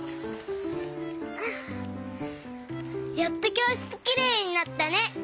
やっときょうしつきれいになったね！